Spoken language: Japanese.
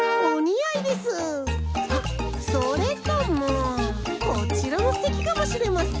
あっそれともこちらもすてきかもしれません。